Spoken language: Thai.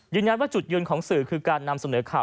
ยืนยันว่าจุดยืนของสื่อคือการนำเสนอข่าว